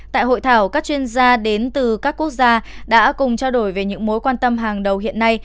tại hội thảo các chuyên gia đến từ các quốc gia đã cùng trao đổi về những mối quan tâm hàng đầu hiện nay